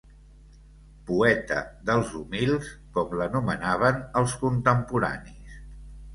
Poeta dels humils com l'anomenaven els contemporanis